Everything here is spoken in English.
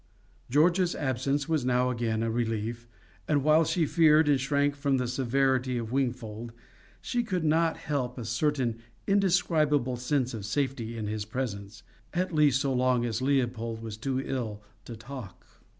George's absence was now again a relief, and while she feared and shrank from the severity of Wingfold, she could not help a certain indescribable sense of safety in his presence at least so long as Leopold was too ill to talk.